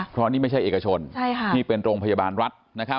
เพราะนี่ไม่ใช่เอกชนที่เป็นโรงพยาบาลรัฐ